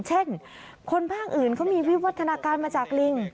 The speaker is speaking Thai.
เช่นคนภาคอื่นเขามีวิวัฒนาการมาจากลิง